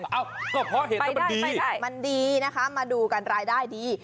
เอ้าก็เพราะเห็นมันดีมันดีนะคะมาดูกันรายได้ดี